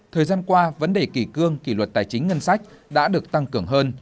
thời gian qua vấn đề kỷ cương kỷ luật tài chính ngân sách đã được tăng cường hơn